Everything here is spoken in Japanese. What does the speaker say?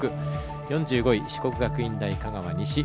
４５位、四国学院大香川西。